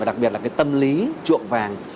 và đặc biệt là cái tâm lý trộm vàng